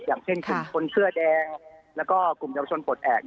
อย่างเช่นกลุ่มคนเสื้อแดงแล้วก็กลุ่มเยาวชนปลดแอบ